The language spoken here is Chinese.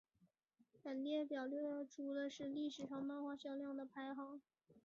本列表列出的是历史上漫画销量的排行。